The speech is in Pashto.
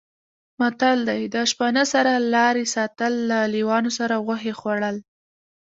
متل دی: د شپانه سره لارې ساتل، له لېوانو سره غوښې خوړل